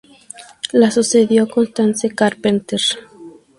La sucedió Constance Carpenter.